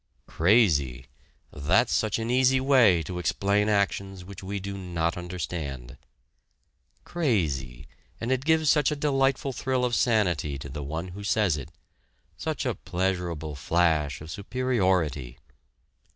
Crazy! That's such an easy way to explain actions which we do not understand. Crazy! and it gives such a delightful thrill of sanity to the one who says it such a pleasurable flash of superiority!